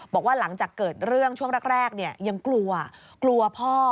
บอกว่าหลังจากเกิดเรื่องช่วงแรกยังกลัวกลัวพ่อ